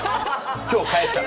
今日帰ったら。